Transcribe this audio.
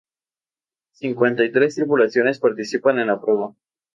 Cincuenta y tres tripulaciones participaron en la prueba.